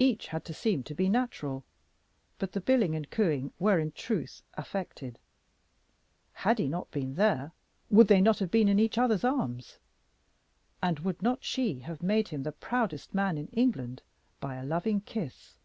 Each had to seem to be natural, but the billing and cooing were in truth affected. Had he not been there, would they not have been in each other's arms? and would not she have made him the proudest man in England by a loving kiss?